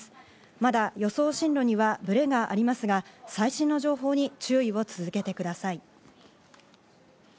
まだ予想進路にはブレがありますが、最新の情報に注意を続けてください。